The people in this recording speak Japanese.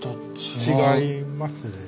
違います